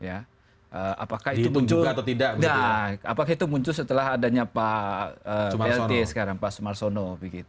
apakah itu muncul setelah adanya pak ld sekarang pak sumarsono